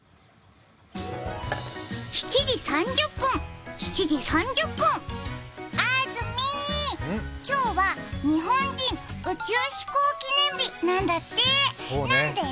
７時３０分、７時３０分、アーズミー、今日は、日本人宇宙飛行記念日なんだって、なんで？